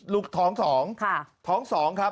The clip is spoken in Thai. ลูกท้อง๒